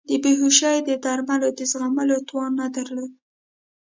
د بیهوشۍ د درملو د زغملو توان نه درلود.